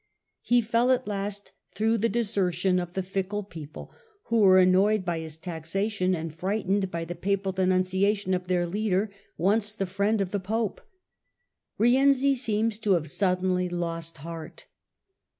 He fell >at last through the desertion of the fickle people, who were annoyed by his taxation and frightened by the Papal denunciation of their leader, once the friend of the Pope. Rienzi seems to have suddenly lost heart.